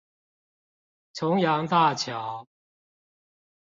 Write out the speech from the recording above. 重陽大橋